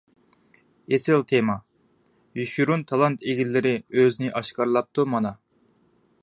ئېسىل تېما! يوشۇرۇن تالانت ئىگىلىرى ئۆزىنى ئاشكارىلاپتۇ مانا.